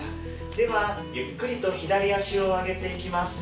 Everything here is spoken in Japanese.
ではゆっくりと左足を上げていきます。